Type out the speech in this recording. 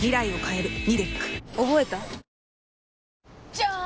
じゃーん！